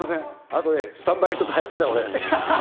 あとね、スタンバイがちょっと早すぎた、俺。